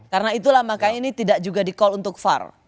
karena itulah makanya ini tidak juga di call untuk var